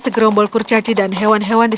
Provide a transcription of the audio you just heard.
segerombol kurcaci dan hewan hewan di